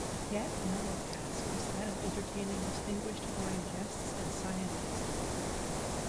Yet another task is that of entertaining distinguished foreign guests and scientists.